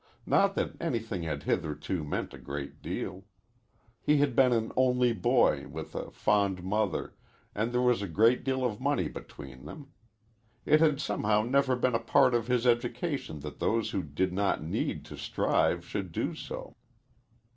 Not that anything had hitherto meant a great deal. He had been an only boy, with a fond mother, and there was a great deal of money between them. It had somehow never been a part of his education that those who did not need to strive should do so.